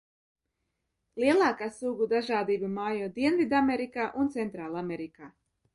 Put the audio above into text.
Lielākā sugu dažādība mājo Dienvidamerikā un Centrālamerikā.